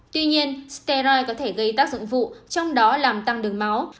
tuy nhiên steri có thể gây tác dụng vụ trong đó làm tăng đường máu